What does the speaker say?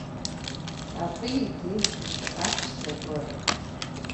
Абы и деж дыщыӏащ зэгуэр.